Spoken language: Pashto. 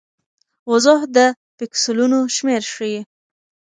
وضوح د پیکسلونو شمېر ښيي.